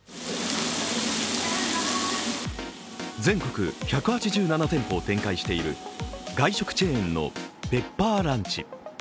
全国１８７店舗を展開している外食チェーンのペッパーランチ。